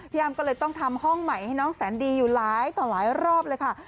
อ้ำก็เลยต้องทำห้องใหม่ให้น้องแสนดีอยู่หลายต่อหลายรอบเลยค่ะ